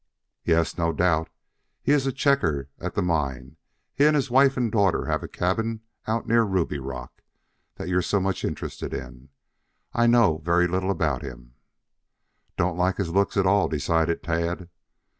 "Yes, no doubt. He is a checker at the mine. He and his wife and daughter have a cabin out near the Ruby Rock that you are so much interested in. I know very little about him " "Don't like his looks at all," decided Tad.